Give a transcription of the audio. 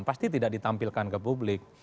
pasti tidak ditampilkan ke publik